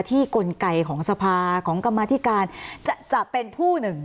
กลไกของสภาของกรรมธิการจะเป็นผู้หนึ่ง